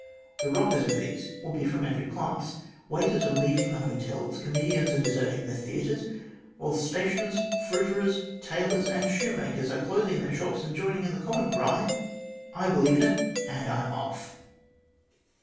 The rockers of these will be from every class. Waiters are leav ing the hotels, comedians are deserting the theatres, while stationers, fruiterers, tailors, and shoemakers are closing their shops and joining in the common cry :" I believe in it, and I'm off."